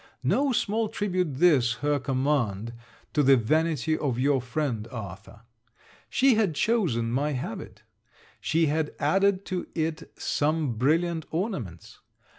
No small tribute this her command to the vanity of your friend, Arthur. She had chosen my habit. She had added to it some brilliant ornaments.